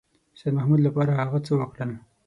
سیدمحمود لپاره هغه څه وکړل.